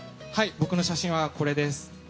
僕の写真はこれです。